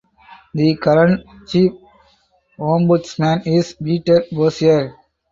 The current Chief Ombudsman is Peter Boshier.